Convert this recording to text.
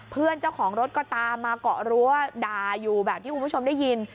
เจ้าของรถก็ตามมาเกาะรั้วด่าอยู่แบบที่คุณผู้ชมได้ยิน